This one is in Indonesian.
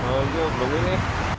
oh gue belum pilih